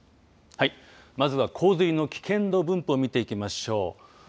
まずは洪水の危険度分布を見ていきましょう。